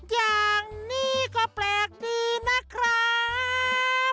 อย่างนี้ก็แปลกดีนะครับ